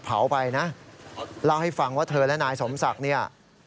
เผาไปนะเล่าให้ฟังว่าเธอและนายสมศักดิ์เนี่ย